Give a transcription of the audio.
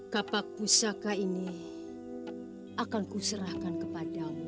kapak pusaka ini akan kuserahkan kepadamu